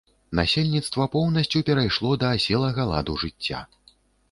Насельніцтва поўнасцю перайшло да аселага ладу жыцця.